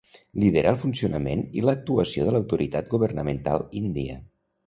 Lidera el funcionament i l'actuació de l'autoritat governamental índia.